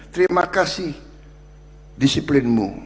terima kasih disiplinmu